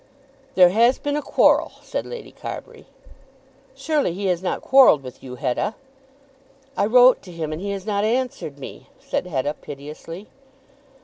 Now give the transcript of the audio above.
"There has been a quarrel," said Lady Carbury. "Surely he has not quarrelled with you, Hetta?" "I wrote to him, and he has not answered me," said Hetta piteously.